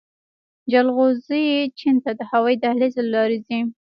جلغوزي چین ته د هوايي دهلیز له لارې ځي